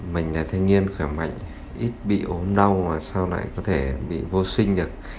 mình là thanh niên khỏe mạnh ít bị ốm đau mà sau lại có thể bị vô sinh được